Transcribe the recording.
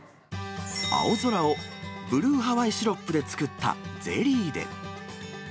青空をブルーハワイシロップで作ったゼリーで。